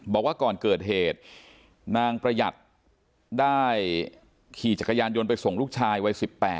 บอกว่าก่อนเกิดเหตุนางประหยัดได้ขี่จักรยานยนต์ไปส่งลูกชายวัย๑๘